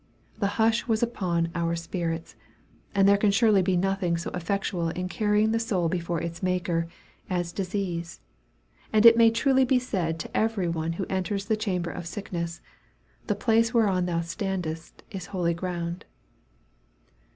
The hush was upon our spirits; and there can surely be nothing so effectual in carrying the soul before its Maker, as disease; and it may truly be said to every one who enters the chamber of sickness, "The place whereon thou standest is holy ground."